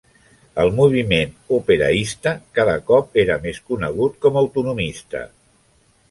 El moviment "operaista" cada cop era més conegut com a autonomista.